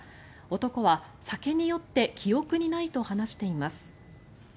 男は酒に酔って記憶にないと話しています。